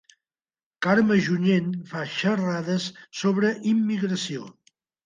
Carme Junyent fa xerrades sobre immigració